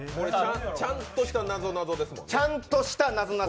ちゃんとしたなぞなぞですもんね。